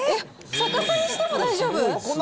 逆さにしても大丈夫？